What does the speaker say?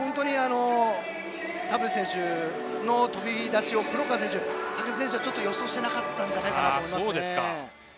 田渕選手の飛び出しを黒川選手、竹田選手は予想していなかったんじゃないかなと思います。